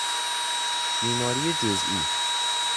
بیماری جزیی